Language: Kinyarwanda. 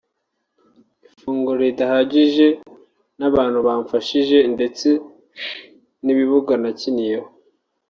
ifunguro ridahagije n’abantu bamfashije ndetse n’ibibuga nakiniyeho